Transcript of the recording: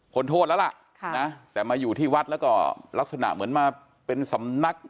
โทษแล้วล่ะแต่มาอยู่ที่วัดแล้วก็ลักษณะเหมือนมาเป็นสำนัก